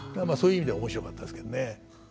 そういう意味では面白かったですけどね。